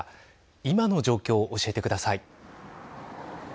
今の状況、教えてください。